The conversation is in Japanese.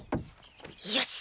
よし！